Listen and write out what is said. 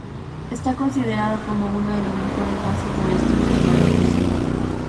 Está considerado como uno de los mejores bases de la historia del baloncesto.